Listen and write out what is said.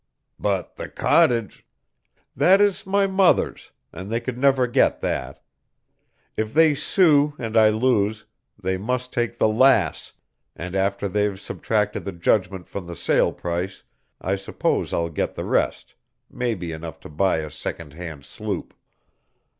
"But the cottage " "That is my mother's, and they could never get that. If they sue and I lose they must take the Lass, and after they've subtracted the judgment from the sale price I suppose I'll get the rest maybe enough to buy a second hand sloop."